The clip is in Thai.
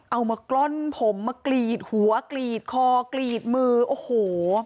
มากล้อนผมมากรีดหัวกรีดคอกรีดมือโอ้โห